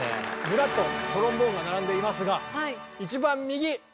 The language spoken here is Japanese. ずらっとトロンボーンが並んでいますが一番右！